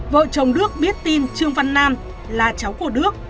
vợ chồng đước biết tin trương văn nam là cháu của đước